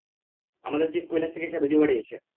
আমাদের চিফ কৈলাস থেকে একটা ভিডিও পাঠিয়েছে।